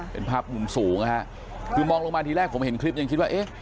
เป็นภาพมุมสูงนะฮะคือมองลงมาทีแรกผมเห็นคลิปยังคิดว่าเอ๊ะ